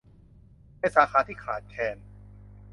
ในสาขาที่ขาดแคลน